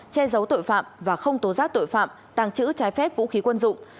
che giấu tội phạm và không tố giác tội phạm tàng trữ trái phép vũ khí quân dụng